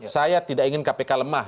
saya tidak ingin kpk lemah